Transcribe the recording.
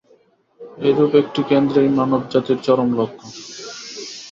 এইরূপ একটি কেন্দ্রেই মানবজাতির চরম লক্ষ্য।